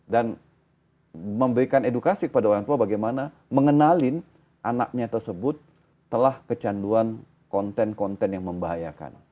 dan memberikan edukasi kepada orang tua bagaimana mengenalin anaknya tersebut telah kecanduan konten konten yang membahayakan